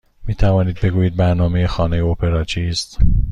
می توانید بگویید برنامه خانه اپرا چیست؟